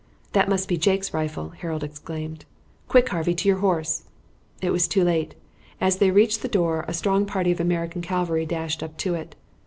"That must be Jake's rifle!" Harold exclaimed. "Quick, Harvey, to your horse!" It was too late. As they reached the door a strong party of American cavalry dashed up to it.